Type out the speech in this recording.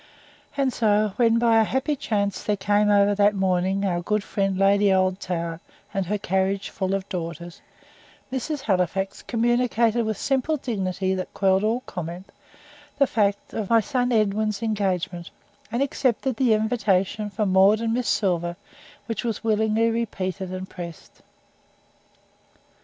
And so, when by a happy chance there came over that morning our good friend Lady Oldtower and her carriage full of daughters, Mrs. Halifax communicated, with a simple dignity that quelled all comment, the fact of "my son Edwin's engagement," and accepted the invitation for Maud and Miss Silver, which was willingly repeated and pressed.